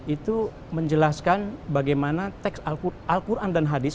itu menjelaskan bagaimana teks al quran dan hadis